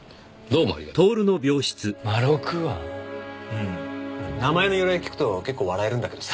うん名前の由来聞くと結構笑えるんだけどさ。